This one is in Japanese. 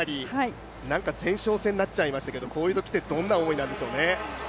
前哨戦になっちゃいましたけれども、こういうときってどんな思いなんでしょうね。